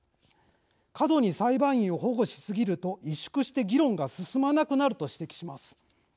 「過度に裁判員を保護しすぎると萎縮して議論が進まなくなる」と指摘します。